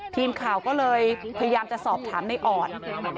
ทีมข่าวก็เลยพยายามจะสอบถามในอ่อน